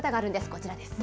こちらです。